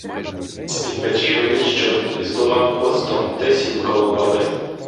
З-під печі виліз чорт із довгим хвостом та й сів коло баби.